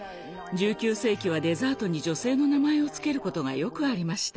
１９世紀はデザートに女性の名前を付けることがよくありました。